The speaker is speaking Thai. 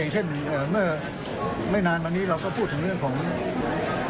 เช่นเมื่อไม่นานมานี้เราก็พูดถึงเรื่องของ